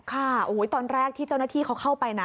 ค่ะโอ้โหตอนแรกที่เจ้าหน้าที่เขาเข้าไปนะ